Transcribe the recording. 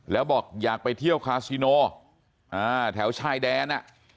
แล้วบอกอยากไปเที่ยวคาซิโนแถวชายแดน